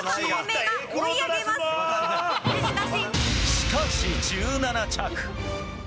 しかし、１７着。